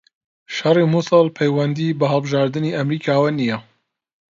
شەڕی موسڵ پەیوەندی بە هەڵبژاردنی ئەمریکاوە نییە